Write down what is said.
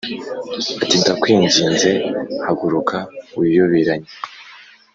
ati “Ndakwinginze haguruka wiyoberanye